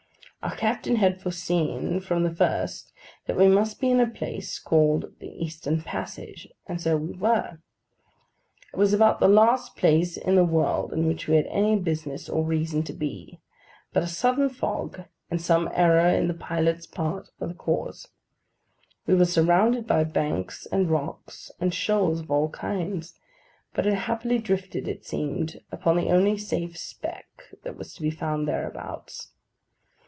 Our captain had foreseen from the first that we must be in a place called the Eastern passage; and so we were. It was about the last place in the world in which we had any business or reason to be, but a sudden fog, and some error on the pilot's part, were the cause. We were surrounded by banks, and rocks, and shoals of all kinds, but had happily drifted, it seemed, upon the only safe speck that was to be found thereabouts.